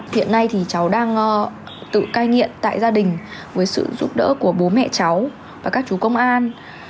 hiện nay thì cháu đang tự cai nghiện tại gia đình với sự giúp đỡ của bố mẹ cháu và các chú công an